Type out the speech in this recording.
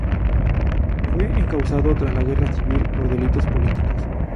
Fue encausado, tras la Guerra Civil, por "delitos" políticos.